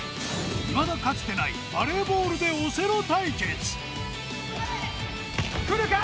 いまだかつてないバレーボールでくるか！？